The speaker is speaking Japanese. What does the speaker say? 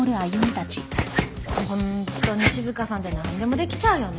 本当に静さんってなんでもできちゃうよね。